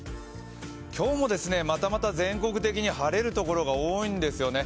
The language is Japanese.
今日も、またまた全国的に晴れるところが多いんですよね。